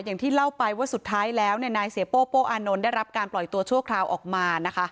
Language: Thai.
อย่างที่เล่าไปว่าสุดท้ายแล้วนายเสียโป้โป้อานนท์ได้รับการปล่อยตัวชั่วคราวออกมานะคะ